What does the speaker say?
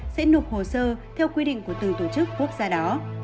sẽ nộp hồ sơ theo quy định của từng tổ chức quốc gia đó